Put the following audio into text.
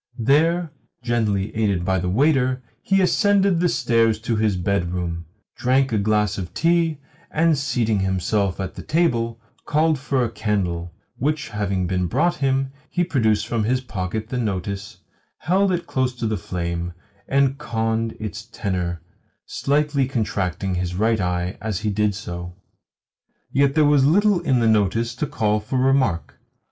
There, gently aided by the waiter, he ascended the stairs to his bedroom, drank a glass of tea, and, seating himself at the table, called for a candle; which having been brought him, he produced from his pocket the notice, held it close to the flame, and conned its tenour slightly contracting his right eye as he did so. Yet there was little in the notice to call for remark.